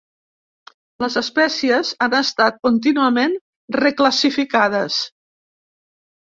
Les espècies han estat contínuament reclassificades.